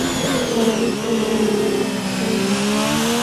ملالۍ خپل ژوند له لاسه ورکړی وو.